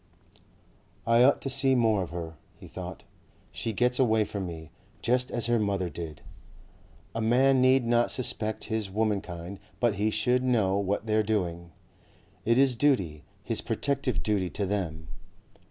"I ought to see more of her," he thought. "She gets away from me. Just as her mother did." A man need not suspect his womenkind but he should know what they are doing. It is duty, his protective duty to them.